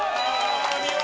お見事！